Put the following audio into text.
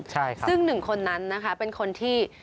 ใช่ครับซึ่ง๑คนนั้นนะคะเป็นคนที่